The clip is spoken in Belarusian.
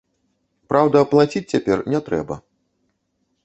Праўда, плаціць цяпер не трэба.